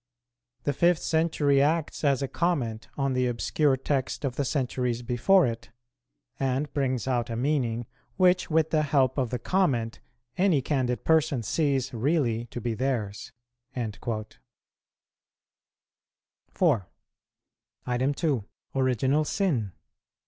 The fifth century acts as a comment on the obscure text of the centuries before it, and brings out a meaning, which with the help of the comment any candid person sees really to be theirs."[126:1] 4. (2.) _Original Sin.